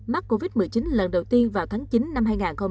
mắc covid một mươi chín lần đầu tiên vào tháng chín năm hai nghìn hai mươi